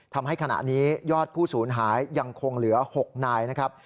ทำให้ขณะนี้ยอดผู้สูญหายยังคงเหลือ๖นายนะครับ